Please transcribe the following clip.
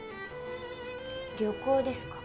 旅行ですか？